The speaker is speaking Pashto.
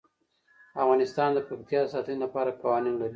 افغانستان د پکتیا د ساتنې لپاره قوانین لري.